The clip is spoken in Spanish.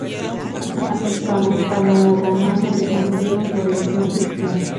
Algunos hispanorromanos mantuvieron su religión cristiana.